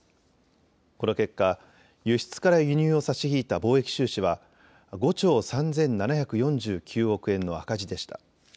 この結果、輸出から輸入を差し引いた貿易収支は５兆３７４９億円の赤字でした。